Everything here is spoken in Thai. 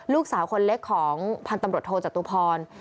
ลูกสาวคนเล็กของพันธมรตโทจัตุพร